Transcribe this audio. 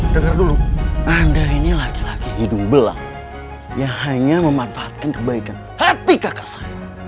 dengar dulu anda ini laki laki hidung belang yang hanya memanfaatkan kebaikan hati kakak saya